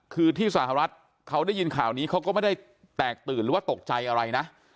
คือที่สหรัฐเขาได้ยินข่าวนี้เขาก็ไม่ได้แตกตื่นหรือว่าตกใจอะไรนะ